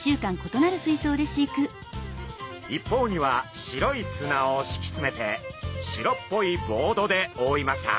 一方には白い砂をしきつめて白っぽいボードでおおいました。